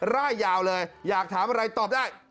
ร่ายยาวเลยอยากถามอะไรตอบได้